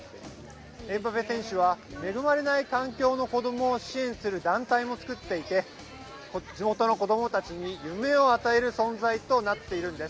エムバペ選手は恵まれない環境の子どもを支援する団体も作っていて地元の子どもたちに夢を与える存在となっているんです。